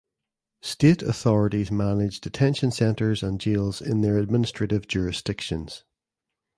State authorities manage detention centers and jails in their administrative jurisdictions.